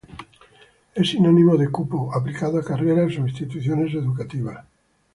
Es sinónimo de "cupo", aplicado a carreras o instituciones educativas.